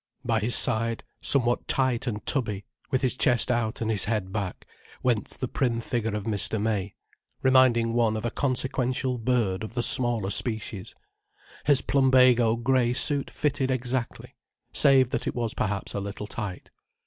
By his side, somewhat tight and tubby, with his chest out and his head back, went the prim figure of Mr. May, reminding one of a consequential bird of the smaller species. His plumbago grey suit fitted exactly—save that it was perhaps a little tight.